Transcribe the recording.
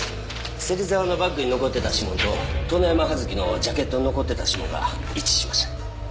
芹沢のバッグに残っていた指紋と殿山葉月のジャケットに残っていた指紋が一致しました。